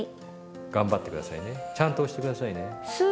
頑張って下さいねちゃんと押して下さいね。